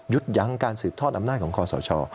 ยั้งการสืบทอดอำนาจของคอสช